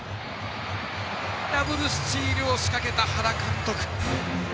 ダブルスチールを仕掛けた原監督。